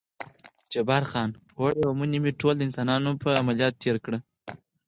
جبار خان: اوړی او منی مې ټول د انسانانو په عملیاتولو تېر کړل.